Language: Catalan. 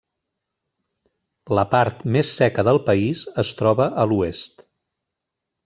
La part més seca del país es troba a l'oest.